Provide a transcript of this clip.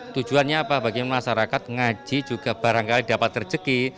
tujuannya apa bagi masyarakat ngaji juga barangkali dapat terjeki